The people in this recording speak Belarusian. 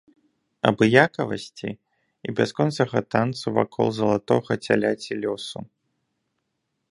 Абыякавасці і бясконцага танцу вакол залатога цяляці лёсу.